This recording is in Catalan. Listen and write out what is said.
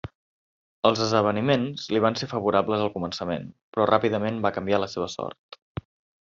Els esdeveniments li van ser favorables al començament, però ràpidament va canviar la seva sort.